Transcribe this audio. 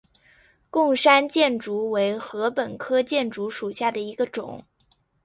贡山箭竹为禾本科箭竹属下的一个种。